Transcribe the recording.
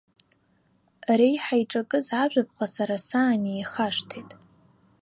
Реиҳа иҿакыз ажәаԥҟа сара саан ихашҭит.